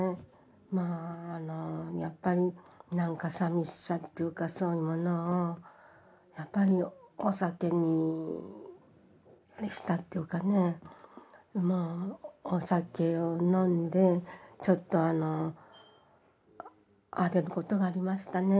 まあやっぱりなんかさみしさっていうかそういうものをやっぱりお酒にあれしたっていうかねお酒を飲んでちょっとあの荒れることがありましたね。